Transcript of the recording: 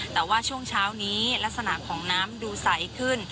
แต่ว่าช่วงเช้านี้ลักษณะของน้ำดูใสขึ้น